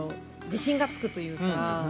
自信がつくというか。